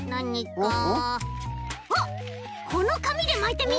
このかみでまいてみよう！